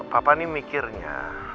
bapak nih mikirnya